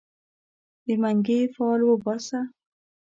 د منګې فال وباسه